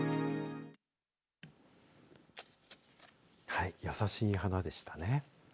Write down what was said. はい、やさしい花でしたね。